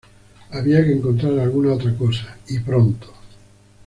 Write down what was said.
Había que encontrar alguna otra cosa, y pronto.